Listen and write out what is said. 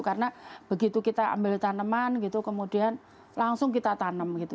karena begitu kita ambil tanaman gitu kemudian langsung kita tanam gitu